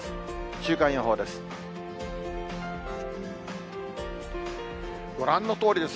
週間予報です。